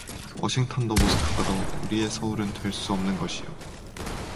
워싱턴도 모스크바도 우리의 서울은 될 수 없는 것이요